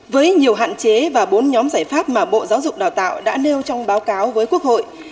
với nhiều hạn chế và bốn nhóm giải pháp mà bộ giáo dục đào tạo đã nêu trong báo cáo với quốc hội